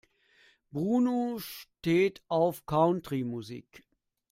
Bruno steht auf Country-Musik.